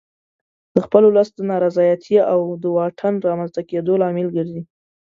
د خپل ولس د نارضایتي او د واټن رامنځته کېدو لامل ګرځي.